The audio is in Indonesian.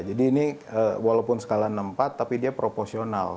jadi ini walaupun skala enam puluh empat tapi dia proporsional